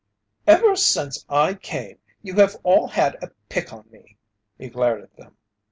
"Ever since I came, you have all had a pick on me!" He glared at them.